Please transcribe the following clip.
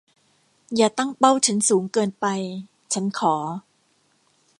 อย่าตั้งเป้าฉันสูงเกินไป ฉันขอ